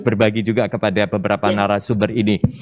berbagi juga kepada beberapa narasumber ini